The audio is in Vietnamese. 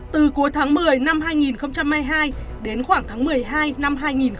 từ cuối tháng một mươi năm hai nghìn hai mươi hai đến khoảng tháng một mươi hai năm hai nghìn hai mươi ba